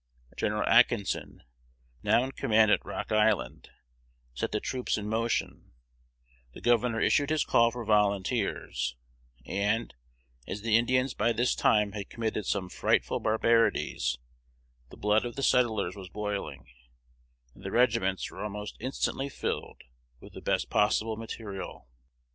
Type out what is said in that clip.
Gen. Atkinson, now in command at Rock Island, set the troops in motion: the governor issued his call for volunteers; and, as the Indians by this time had committed some frightful barbarities, the blood of the settlers was boiling, and the regiments were almost instantly filled with the best possible material.